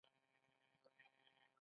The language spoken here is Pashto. د ایران چرمي توکي مشهور دي.